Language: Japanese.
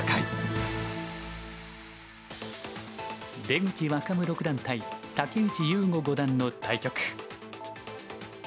出口若武六段対竹内雄悟五段の対局。